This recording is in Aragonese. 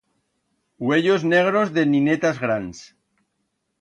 Uellos negros de ninetas grans.